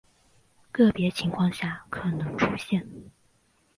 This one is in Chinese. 个别情况下可能出现。